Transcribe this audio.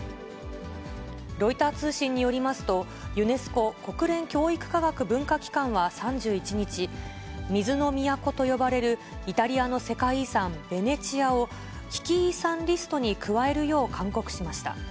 ロイター通信によりますと、ユネスコ・国連教育科学文化機関は３１日、水の都と呼ばれるイタリアの世界遺産、ベネチアを、危機遺産リストに加えるよう勧告しました。